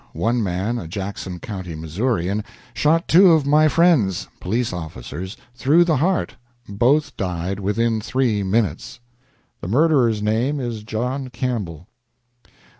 One man, a Jackson County Missourian, shot two of my friends (police officers) through the heart both died within three minutes. The murderer's name is John Campbell."